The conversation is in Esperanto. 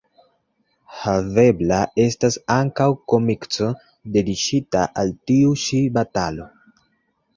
Havebla estas ankaŭ komikso dediĉita al tiu ĉi batalo.